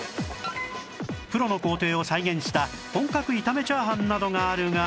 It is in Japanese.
プロの工程を再現した本格炒め炒飯などがあるが